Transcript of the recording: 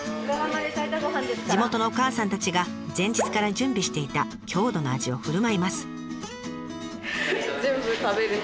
地元のおかあさんたちが前日から準備していた郷土の味をふるまいます。